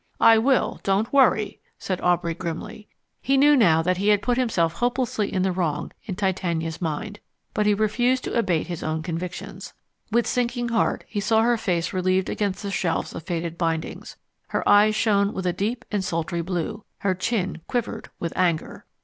"I will, don't worry," said Aubrey grimly. He knew now that he had put himself hopelessly in the wrong in Titania's mind, but he refused to abate his own convictions. With sinking heart he saw her face relieved against the shelves of faded bindings. Her eyes shone with a deep and sultry blue, her chin quivered with anger.